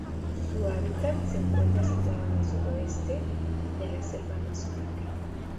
Su hábitat se encuentra situado en el sudoeste de la selva amazónica.